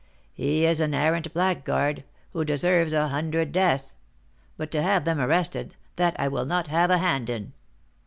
He is an arrant blackguard, who deserves a hundred deaths; but to have them arrested, that I will not have a hand in."